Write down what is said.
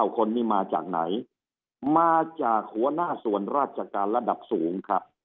คนนี้มาจากไหนมาจากหัวหน้าส่วนราชการระดับสูงครับ